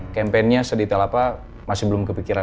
kampenya sedetail apa masih belum kepikiran